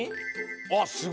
あっすごい。